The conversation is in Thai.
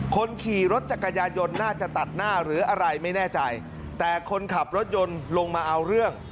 คนขี่รถจักรยายนน่าจะตัดหน้าหรืออะไรไม่แน่ใจแต่คนขับรถยนต์ลงมาเอาเรื่อง